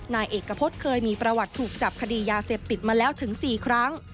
นายเอกพฤษเคยมีประวัติถูกจับคดียาเสพติดมาแล้วถึง๔ครั้ง